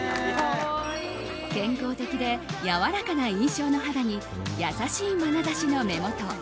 健康的で柔らかな印象の肌に優しいまなざしの目元。